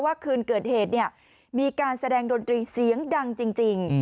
คืนเกิดเหตุมีการแสดงดนตรีเสียงดังจริง